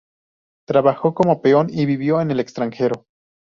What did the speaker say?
Trabajó como peón y vivió en el extranjero.